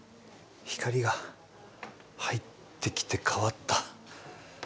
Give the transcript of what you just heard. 光が入ってきて変わった。